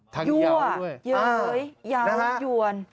ทั้งเยาวด้วย